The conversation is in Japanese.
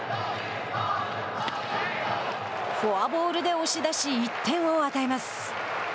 フォアボールで押し出し１点を与えます。